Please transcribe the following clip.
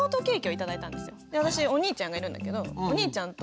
で私お兄ちゃんがいるんだけどお兄ちゃんと分けて食べたの。